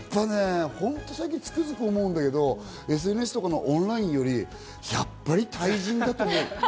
俺、つくづく思うんだけど、ＳＮＳのオンラインよりやっぱり対人だと思う。